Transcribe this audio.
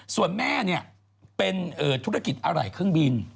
ส่วนแม่เป็นธุรกิจอะไหล่เครื่องบิน